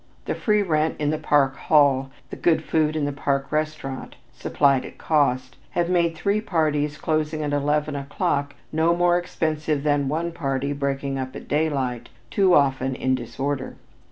The free rent in the park hall, the good food in the park restaurant, supplied at cost, have made three parties closing at eleven o'clock no more expensive than one party breaking up at daylight, too often in disorder.